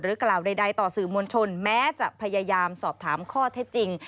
กล่าวใดต่อสื่อมวลชนแม้จะพยายามสอบถามข้อเท็จจริง